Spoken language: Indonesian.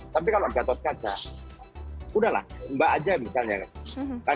tapi kalau gatot kaca udah lah mbak aja misalnya